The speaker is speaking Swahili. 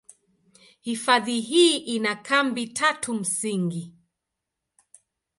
Hifadhi hii ina kambi tatu msingi.